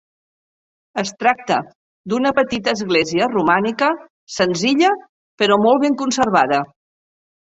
Es tracta d'una petita església romànica, senzilla però molt ben conservada.